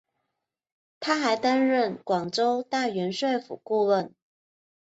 他还担任广州大元帅府顾问。